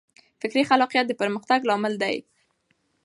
فکري خلاقیت د پرمختګ لامل دی.